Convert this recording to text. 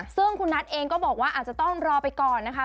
ซึ่งคุณนัทเองก็บอกว่าอาจจะต้องรอไปก่อนนะคะ